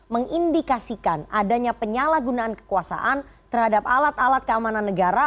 mengindikasikan adanya penyalahgunaan kekuasaan terhadap alat alat keamanan negara